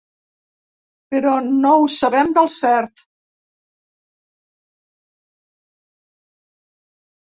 Però no ho sabem del cert.